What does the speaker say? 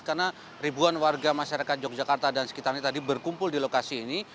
karena ribuan warga masyarakat yogyakarta dan sekitarnya tadi berkumpul di lokasi ini